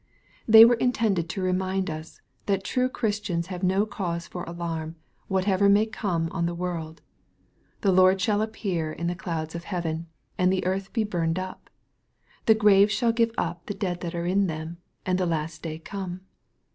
They were intended to remind us, that true Christians have no cause for alarm, whatever may come on the world. The Lord shall appear in the clouds of heaven, and the earth be burned up. The graves shall give up the dead that are in them, and the last day come.